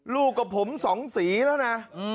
กับผมสองสีแล้วนะ